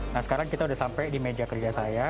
nah sekarang kita udah sampai di meja kerja saya